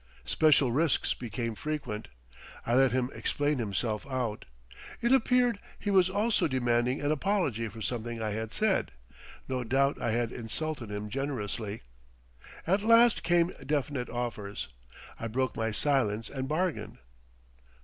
"Special risks" became frequent. I let him explain himself out. It appeared he was also demanding an apology for something I had said. No doubt I had insulted him generously. At last came definite offers. I broke my silence and bargained.